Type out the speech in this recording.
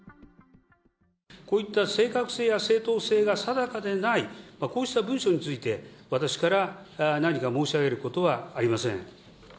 こういった正確性や正当性が定かでない、こうした文書について、私から何か申し上げることはありません。